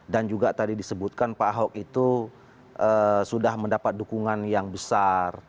dan juga tadi disebutkan pak ahok itu sudah mendapat dukungan yang besar